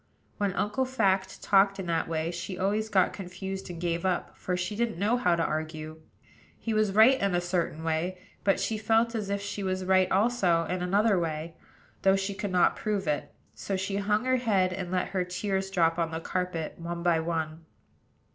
When Uncle Fact talked in that way, she always got confused and gave up; for she didn't know how to argue. He was right in a certain way; but she felt as if she was right also in another way, though she could not prove it: so she hung her head, and let her tears drop on the carpet one by one.